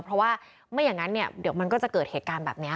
เพราะว่าไม่อย่างนั้นเนี่ยเดี๋ยวมันก็จะเกิดเหตุการณ์แบบนี้